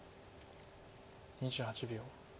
２８秒。